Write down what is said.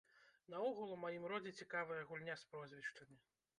Наогул, у маім родзе цікавая гульня з прозвішчамі.